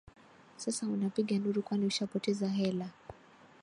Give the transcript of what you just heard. Sasa unapiga nduru kwani ushapoteza hela.